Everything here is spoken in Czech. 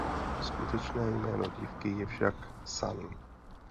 Skutečné jméno dívky je však "San".